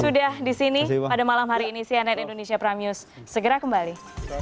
sudah di sini pada malam hari ini cnn indonesia prime news segera kembali